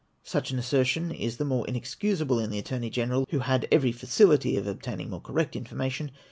Such an assertion is the more inexcusable in the Attorney General, who had every facility of obtaining more correct information.